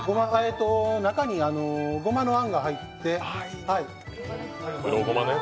中にごまのあんが入って。